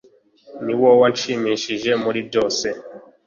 ni wo wanshimishije muri byose